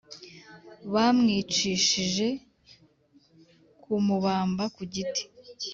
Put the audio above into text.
Bamwicishije kumubamba ku giti